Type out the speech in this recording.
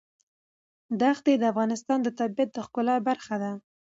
دښتې د افغانستان د طبیعت د ښکلا برخه ده.